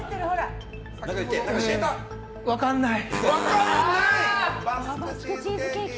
分からない。